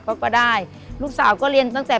ก็ได้ลูกสาวก็เรียนตั้งแต่